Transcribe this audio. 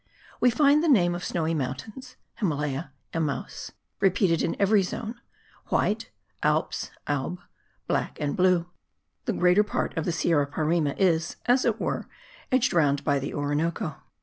We find the name of snowy mountains (Himalaya, Imaus) repeated in every zone, white (Alpes, Alb), black and blue. The greater part of the Sierra Parime is, as it were, edged round by the Orinoco.